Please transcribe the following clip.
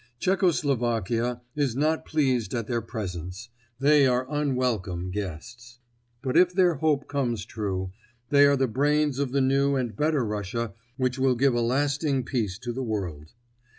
Czecho Slovakia is not pleased at their presence; they are unwelcome guests. But, if their hope comes true, they are the brains of the new and better Russia which will give a lasting peace to the world.